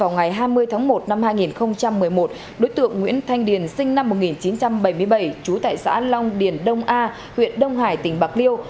ngày hai mươi tháng một năm hai nghìn một mươi một đối tượng nguyễn thanh điền sinh năm một nghìn chín trăm bảy mươi bảy trú tại xã long điền đông a huyện đông hải tỉnh bạc liêu